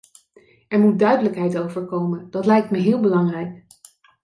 Er moet duidelijkheid over komen, dat lijkt me heel belangrijk.